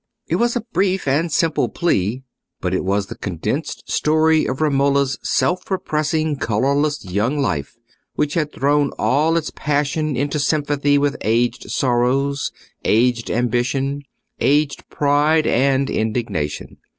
It was a brief and simple plea; but it was the condensed story of Romola's self repressing colourless young life, which had thrown all its passion into sympathy with aged sorrows, aged ambition, aged pride and indignation.